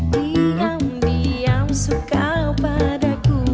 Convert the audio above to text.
diam diam suka padaku